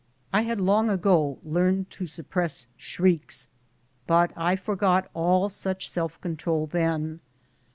I had long ago learned to suppress shrieks, but I forgot all such self control then.